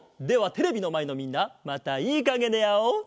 ではテレビのまえのみんなまたいいかげであおう。